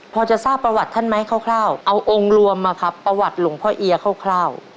พอจะทราบประวัติท่านไหมคร่าวเอาองค์รวมมาครับประวัติหลวงพ่อเอียคร่าว